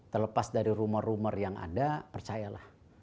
terlepas dari rumor rumor yang ada percayalah